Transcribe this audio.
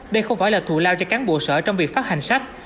đây không phải là thù lao cho cán bộ sở trong việc phát hành sách